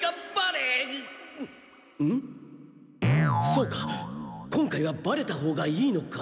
そうか今回はバレたほうがいいのか。